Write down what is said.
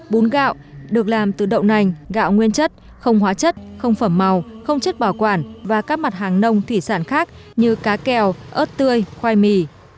bún gạo được làm từ đậu nành gạo nguyên chất không hóa chất không phẩm màu không chất bảo quản và các mặt hàng nông thủy sản khác như cá keo ớt tươi khoai mì